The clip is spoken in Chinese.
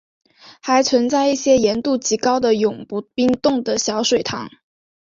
还存在一些盐度极高的永不冰冻的小水塘。